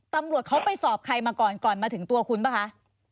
ตำรวจเขาไปสอบใครมาก่อนก่อนมาถึงตัวคุณป่ะคะ